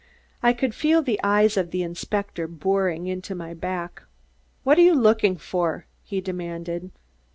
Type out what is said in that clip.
I could feel the eyes of the inspector boring into my back. "What are you looking for?" he demanded.